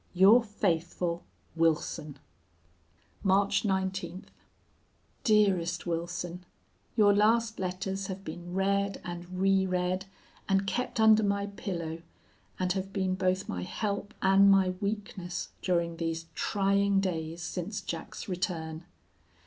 "Your faithful "WILSON." "March 19th. "DEAREST WILSON, Your last letters have been read and reread, and kept under my pillow, and have been both my help and my weakness during these trying days since Jack's return.